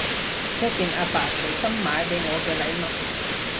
一件阿爸隨心買畀我嘅禮物